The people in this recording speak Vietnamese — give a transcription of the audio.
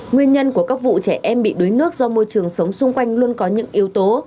nguyên nhân của các vụ trẻ em bị đuối nước do môi trường sống xung quanh luôn có những yếu tố